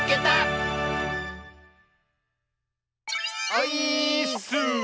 オイーッス！